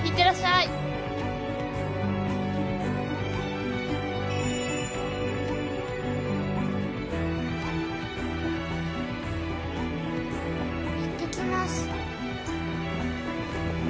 いってきます。